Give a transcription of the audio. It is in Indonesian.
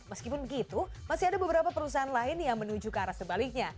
meskipun begitu masih ada beberapa perusahaan lain yang menuju ke arah sebaliknya